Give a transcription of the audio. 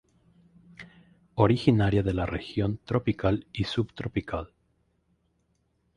Originaria de la región tropical y subtropical.